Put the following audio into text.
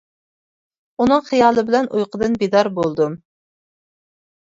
ئۇنىڭ خىيالى بىلەن ئۇيقۇدىن بىدار بولدۇم.